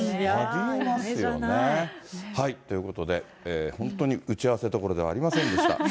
ありえますよね。ということで本当に打ち合わせどころではありませんでした。